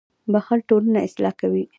• بښل ټولنه اصلاح کوي.